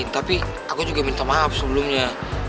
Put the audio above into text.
tapi aku juga minta maaf sebelumnya